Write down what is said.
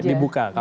jadi dibuka aja ya